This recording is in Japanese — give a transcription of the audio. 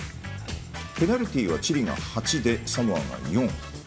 ペナルティはチリが８でサモアが４。